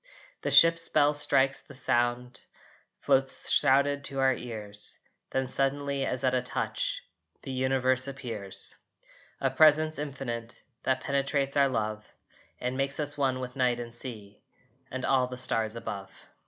The ship's bell strikes the sound Floats shrouded to our ears, Then suddenly, as at a touch, The universe appears A Presence Infinite That penetrates our love And makes us one with night and sea And all the stars above.